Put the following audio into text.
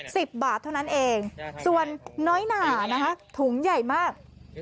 สิบบาทเท่านั้นเองส่วนน้อยหนานะคะถุงใหญ่มาก